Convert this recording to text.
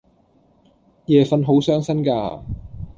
夜訓好傷身架